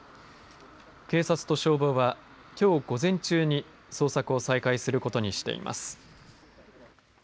警察と消防はきょう午前中に捜索を再開することにしています。